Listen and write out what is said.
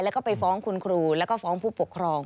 แล้วก็ไปฟ้องคุณครูแล้วก็ฟ้องผู้ปกครอง